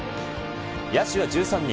野手は１３人。